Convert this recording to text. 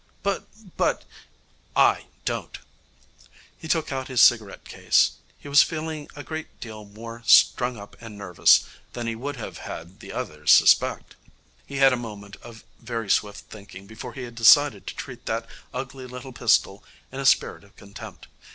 'But but ' 'I don't.' He took out his cigarette case. He was feeling a great deal more strung up and nervous than he would have had the others suspect. He had had a moment of very swift thinking before he had decided to treat that ugly little pistol in a spirit of contempt.